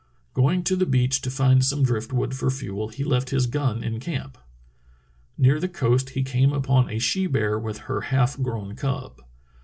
Going to the beach to find some drift wood for fuel he left his gun in camp. Near the coast he came upon a she bear with her half grown cub.